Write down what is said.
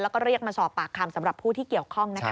แล้วก็เรียกมาสอบปากคำสำหรับผู้ที่เกี่ยวข้องนะคะ